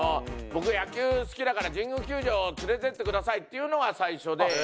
「僕野球好きだから神宮球場連れてってください」っていうのが最初で。